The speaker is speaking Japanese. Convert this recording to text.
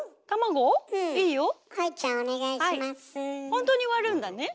ほんとに割るんだね。